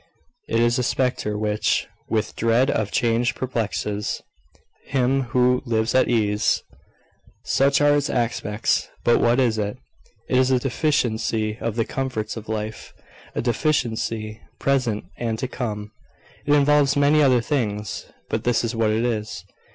It is a spectre which "with dread of change perplexes" him who lives at ease. Such are its aspects: but what is it? It is a deficiency of the comforts of life, a deficiency present and to come. It involves many other things; but this is what it is.